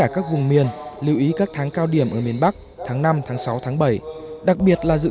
các vùng miền lưu ý các tháng cao điểm ở miền bắc tháng năm tháng sáu tháng bảy đặc biệt là dự